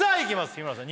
日村さん